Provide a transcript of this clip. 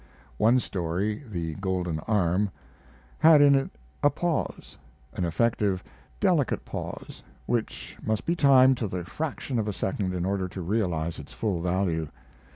One story, the "Golden Arm," had in it a pause, an effective, delicate pause which must be timed to the fraction of a second in order to realize its full value.